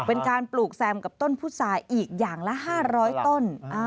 เป็นการปลูกแซมกับต้นพุษาอีกอย่างละ๕๐๐ต้น